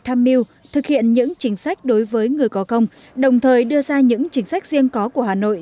tham mưu thực hiện những chính sách đối với người có công đồng thời đưa ra những chính sách riêng có của hà nội